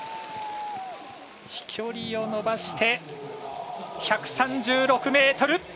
飛距離を伸ばして１３６ｍ！